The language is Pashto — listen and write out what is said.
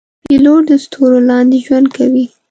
پیلوټ د ستورو لاندې ژوند کوي.